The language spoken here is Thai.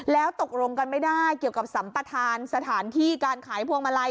แล้วตกลงกันไม่ได้เกี่ยวกับสัมปทานสถานที่การขายพวงมาลัย